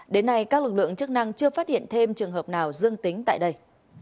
đến nay các lực lượng chức năng chưa phát hiện thêm trường hợp nào dương tính tại đây